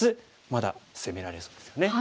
まだ攻められそうですよね。